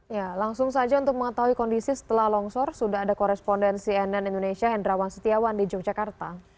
ya langsung saja untuk mengetahui kondisi setelah longsor sudah ada korespondensi nn indonesia hendrawan setiawan di yogyakarta